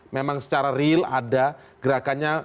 memang secara real ada gerakannya